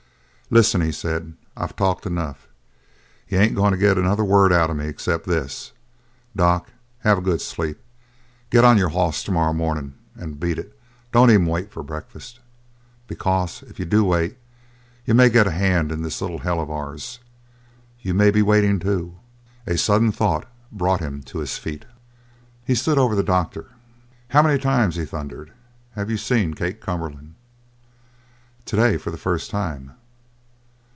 "Listen!" he said, "I've talked enough. You ain't going to get another word out of me except this: Doc, have a good sleep, get on your hoss to morrow mornin', and beat it. Don't even wait for breakfast. Because, if you do wait, you may get a hand in this little hell of ours. You may be waiting, too!" A sudden thought brought him to his feet. He stood over the doctor. "How many times," he thundered, "have you seen Kate Cumberland?" "To day, for the first time."